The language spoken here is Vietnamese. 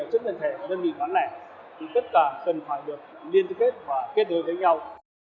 tất cả cần phải được liên kết và kết nối với nhau